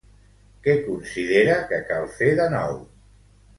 Què considera que cal fer de nou?